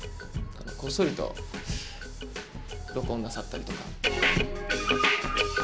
こっそりと録音なさったりとか。